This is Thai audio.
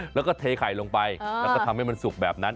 แล้วก็เทไข่ลงไปแล้วก็ทำให้มันสุกแบบนั้น